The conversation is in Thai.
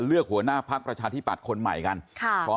เลือกหัวหน้าภาคประชาทิบัติคนใหม่กันค่ะ